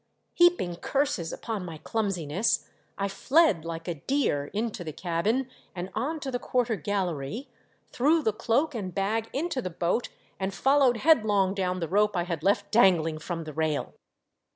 Heaping curses upon my clum siness, I fled like a deer into the cabin and on to the quarter gallery, threw the cloak and bag into the boat, and followed headlong down the rope I had left dangling from the rail.